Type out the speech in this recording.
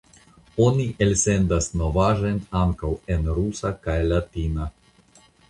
Oni elsendas novaĵojn ankaŭ en rusa kaj latina.